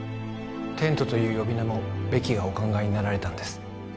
テントという呼び名もベキがお考えになられたんです